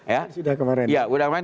ya sudah kemarin